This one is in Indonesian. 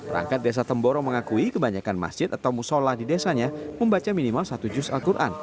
rangkat desa temboro mengakui kebanyakan masjid atau musola di desanya membaca minimal satu juz al quran